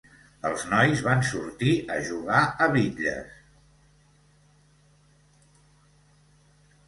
Els nois van sortir a jugar a bitlles.